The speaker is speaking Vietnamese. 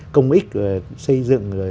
công ích xây dựng